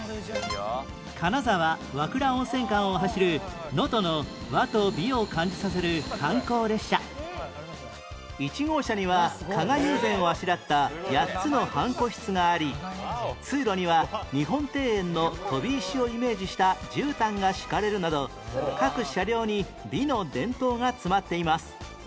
金沢和倉温泉間を走る１号車には加賀友禅をあしらった８つの半個室があり通路には日本庭園の飛び石をイメージしたじゅうたんが敷かれるなど各車両に美の伝統が詰まっています